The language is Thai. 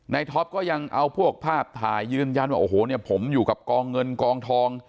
ท็อปก็ยังเอาพวกภาพถ่ายยืนยันว่าโอ้โหเนี่ยผมอยู่กับกองเงินกองทอง